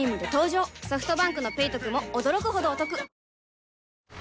ソフトバンクの「ペイトク」も驚くほどおトク